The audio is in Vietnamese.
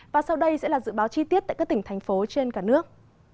báo chi tiết tại các tỉnh thành phố trên cả nước